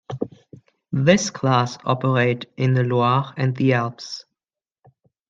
This class operate in the Loire and the Alps.